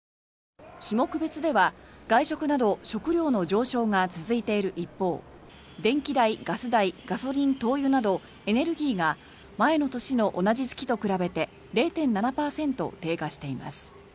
費目別では、外食など食料の上昇が続いている一方電気代、ガス代ガソリン、灯油などエネルギーが前の年の同じ月と比べて０．７％低下しています。